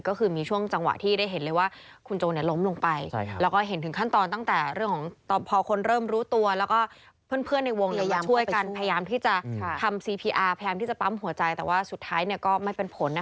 ก็คือมีช่วงจังหวะที่ได้เห็นเลยว่าคุณโจงล้มลงไป